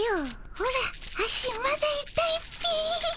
オラ足まだいたいっピィ。